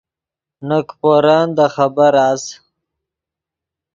نے کیپورن دے خبر اس